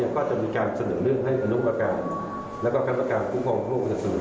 ก็จะมีการเสนอเรื่องให้คุณภาคการและก็คุณภาคการคุณค่องโครงคุณภาษาสนุก